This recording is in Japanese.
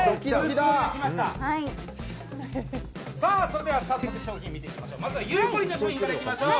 それでは早速商品を見ていきましょう。